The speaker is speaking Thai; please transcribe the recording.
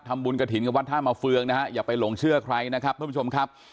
ทำบุญกระถิ่นกับวัดท่ามาเฟืองนะฮะอย่าไปหลงเชื่อใครนะครับท่านผู้ชมครับ